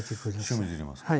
塩水入れますか。